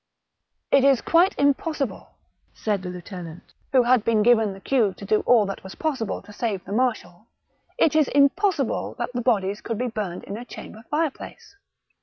It is quite impossible," said the lieutenant, who had been given the cue to do all that was possible to save the marshal —" It is impossible that bodies could be burned in a chamber fireplace."